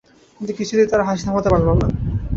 কিন্তু কিছুতেই তারা হাসি থামাতে পারল না।